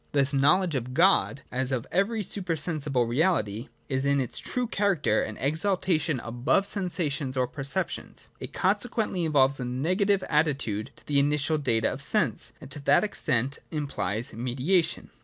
Thus the knowledge of God, as of every supersensible reality, is in its true character an exaltation above sensations or perceptions : it consequently involves a negative attitude to the initial data of sense, and to that extent implies mediation.